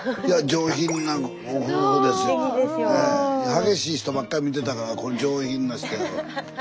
激しい人ばっかり見てたからこれ上品な人やわ。